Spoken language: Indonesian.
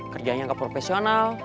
kerjanya nggak profesional